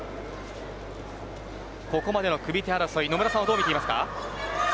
ここまでの組み手争い野村さんはどう見ていますか？